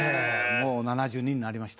もう７２になりました。